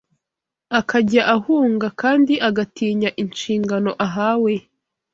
akajya ahunga kandi agatinya inshingano ahawe